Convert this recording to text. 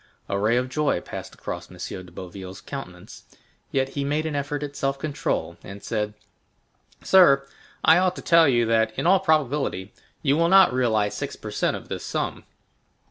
A ray of joy passed across M. de Boville's countenance, yet he made an effort at self control, and said: "Sir, I ought to tell you that, in all probability, you will not realize six per cent of this sum."